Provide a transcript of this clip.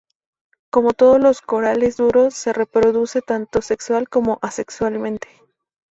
Como todos los corales duros se reproduce tanto sexual como asexualmente.